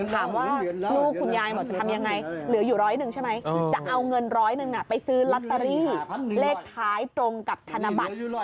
ถามว่าลูกคุณยายบอกจะทำยังไงเหลืออยู่ร้อยหนึ่งใช่ไหมจะเอาเงินร้อยหนึ่งไปซื้อลอตเตอรี่เลขท้ายตรงกับธนบัตร